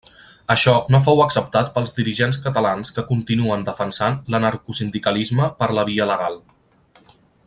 Això no fou acceptat pels dirigents catalans que continuen defensant l'anarcosindicalisme per la via legal.